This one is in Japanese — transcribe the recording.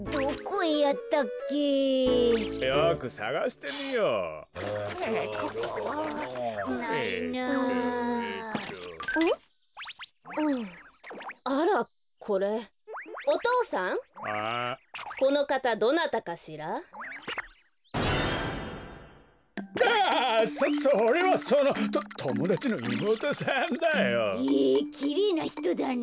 へえきれいなひとだね。